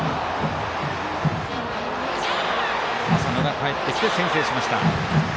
浅野がかえってきて先制しました。